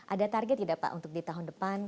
ada target tidak pak untuk di tahun depan